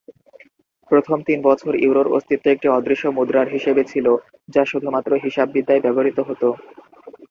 প্রথম তিন বছর ইউরোর অস্তিত্ব একটি অদৃশ্য মুদ্রার হিসেবে ছিল, যা শুধুমাত্র হিসাববিদ্যায় ব্যবহৃত হত।